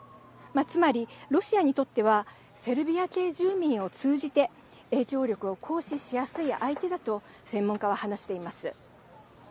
つまり、ロシアにとってはセルビア系住民を通じて影響力を行使しやすい相手だと専門家は話しています。